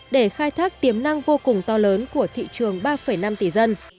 để khai thác tiềm năng vô cùng to lớn của thị trường ba năm tỷ dân